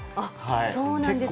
そうなんですね。